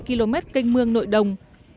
một mươi năm năm km kênh mương nội đồng